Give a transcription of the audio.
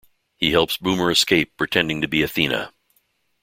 He helps Boomer escape pretending to be Athena.